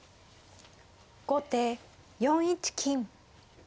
後手４一金。